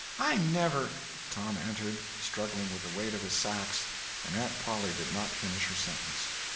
I never—" Tom entered, struggling with the weight of his sacks, and Aunt Polly did not finish her sentence.